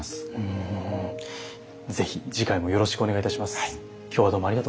是非次回もよろしくお願いいたします。